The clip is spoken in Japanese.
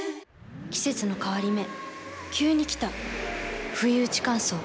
季節の変わり目急に来たふいうち乾燥。